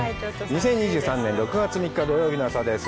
２０２３年６月３日、土曜日の朝です。